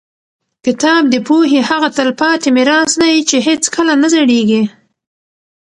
کتاب د پوهې هغه تلپاتې میراث دی چې هېڅکله نه زړېږي.